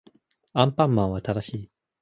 アンパンマンは正しい